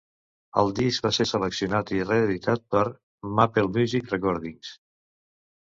El disc va ser seleccionat i reeditat per MapleMusic Recordings.